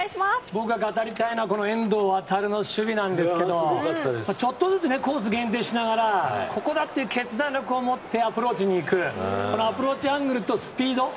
僕が語りたいのは遠藤航の守備なんですけどちょっとずつコースを限定しながらここだという決断でアプローチしていくアプローチとスピード